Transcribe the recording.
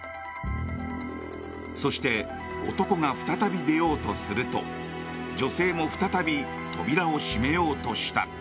そして、男が再び出ようとすると女性も再び扉を閉めようとした。